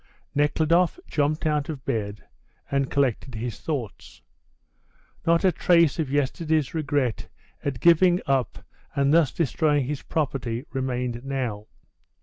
Nekhludoff jumped out of bed, and collected his thoughts. Not a trace of yesterday's regret at giving up and thus destroying his property remained now.